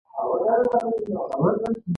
انسانان د ګډ تخیل له لارې لویې ټولنې جوړوي.